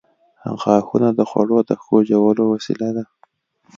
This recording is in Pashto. • غاښونه د خوړو د ښه ژولو وسیله ده.